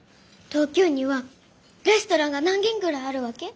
東京にはレストランが何軒ぐらいあるわけ？